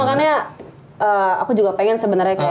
makanya aku juga pengen sebenarnya kayak